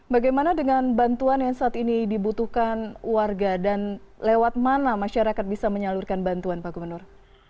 bagaimana dengan bantuan yang saat ini dibutuhkan warga dan lewat mana masyarakat bisa menyalurkan bantuan pak gubernur